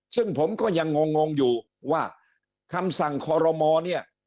ซึ่งผมก็ยังงงอยู่ว่าคำสั่งคอรมอเนี่ย